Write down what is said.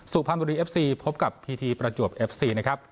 สุพรรณบุรีเอฟซีพบกับพีทีประจวบเอฟซีนะครับ